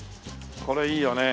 これいいよね。